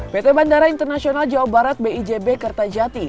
pt bandara internasional jawa barat bijb kertajati